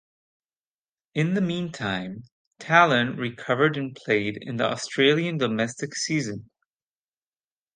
In the meantime, Tallon recovered and played in the Australian domestic season.